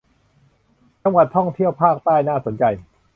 จังหวัดท่องเที่ยวภาคใต้น่าสนใจ